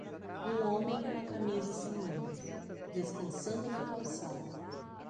Um homem em uma camisa sem mangas, descansando na calçada.